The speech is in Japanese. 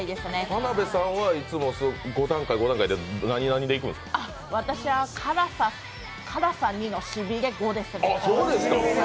田辺さんはいつも５段階・５段階の何何でいくんですか私は辛さ２のしびれ５ですね。